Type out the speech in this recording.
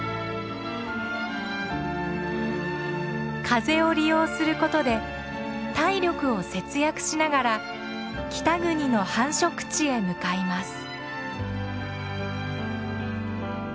風を利用することで体力を節約しながら北国の繁殖地へ向かいます。